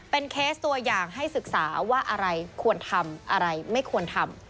เคสตัวอย่างให้ศึกษาว่าอะไรควรทำอะไรไม่ควรทำ